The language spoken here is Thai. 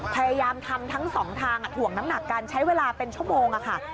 พยายามทำทั้งสองทางถ่วงน้ำหนักกันใช้เวลาเป็นชั่วโมงค่ะ